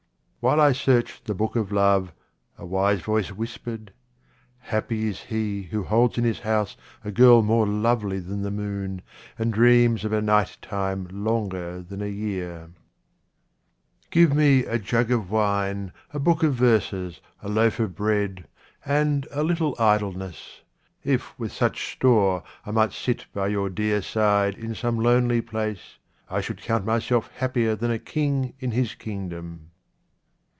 While I searched the book of love, a wise voice whispered, " Happy is he who holds in his house a girl more lovely than the moon, and dreams of a night time longer than a year." 7 QUATRAINS OF OMAR KHAYYAM Give me a jug of wine, a book of verses, a loaf of bread, and a little idleness. If with such store I might sit by your dear side in some lonely place, I should count myself happier than a king in his kingdom.